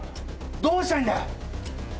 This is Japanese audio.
どうしたいんだ？